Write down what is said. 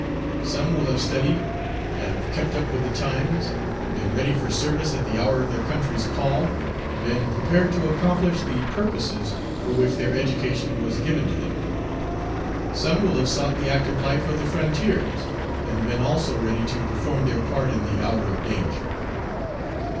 Some will have studied, have kept up with the times, been ready for service at the hour of their country's call, been prepared to accomplish the purposes for which their education was given to them. Some will have sought the active life of the frontiers, and been also ready to perform their part in the hour of danger.